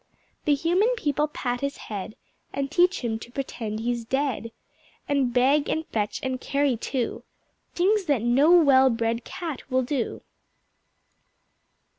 The Human People pat his head And teach him to pretend he's dead, And beg, and fetch and carry too; Things that no well bred Cat will do.